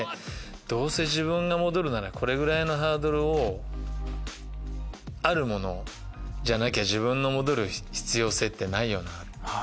どうせ自分が戻るならこれぐらいのハードルあるものじゃなきゃ自分が戻る必要性ってないよな。